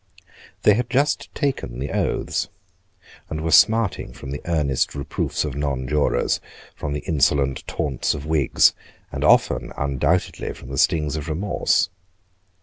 They had just taken the oaths, and were smarting from the earnest reproofs of nonjurors, from the insolent taunts of Whigs, and often undoubtedly from the stings of remorse.